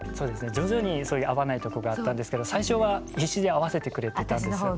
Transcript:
徐々にそういう合わないとこがあったんですけど最初は必死に合わせてくれてたんですよ。